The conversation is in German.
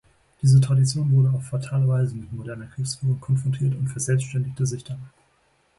Diese Tradition wurde auf fatale Weise mit moderner Kriegsführung konfrontiert und verselbständigte sich dann.